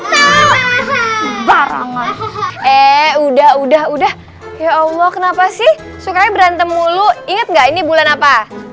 barang barang udah udah udah ya allah kenapa sih sukanya berantem mulu inget nggak ini bulan apa